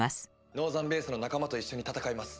ノーザンベースの仲間と一緒に戦います。